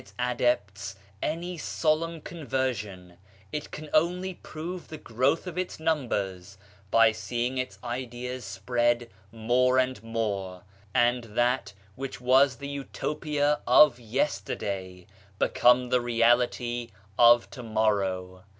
BAHAISM AND SOCIETY 151 adepts any solemn conversion, it can only prove the growth of its numbers by seeing its ideas spread more and more, and that which was the Utopia of yesterday become the reality of to morrow.